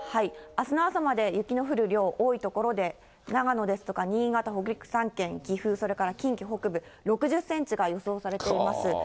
あすの朝まで、雪の降る量、多い所で、長野ですとか、新潟、北陸３県、岐阜、近畿北部、６０センチが予想されています。